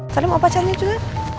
salim apa caranya juga